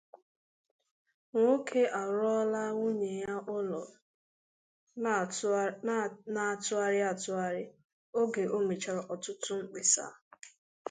Nwoke Arụọrọla Nwunye Ya Ụlọ Na-Atụgharị Atụgharị Oge O Mechara Ọtụtụ Mkpesa